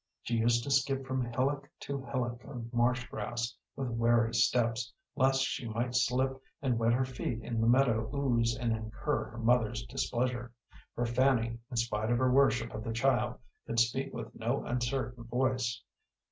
She used to skip from hillock to hillock of marsh grass with wary steps, lest she might slip and wet her feet in the meadow ooze and incur her mother's displeasure, for Fanny, in spite of her worship of the child, could speak with no uncertain voice.